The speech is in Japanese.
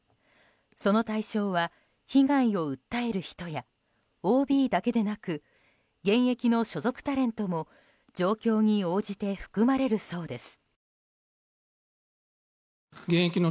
その対象は、被害を訴える人やＯＢだけでなく現役の所属タレントも状況に応じて含まれるそうです。